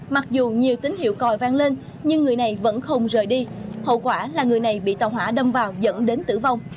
mặc dù nhiều tín hiệu còi vang lên nhưng người này vẫn không rời đi hậu quả là người này bị tàu hỏa đâm vào dẫn đến tử vong